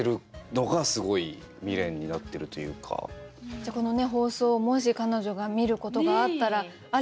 じゃあこの放送をもし彼女が見ることがあったら「あれ！？」